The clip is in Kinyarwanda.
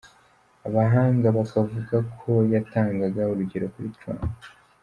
Abahanga bakavuga ko yatangaga urugero kuri Trump.